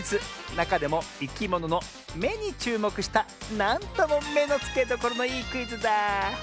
なかでもいきものの「め」にちゅうもくしたなんともめのつけどころのいいクイズだ。